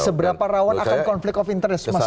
seberapa rawan akan konflik of interest mas ferry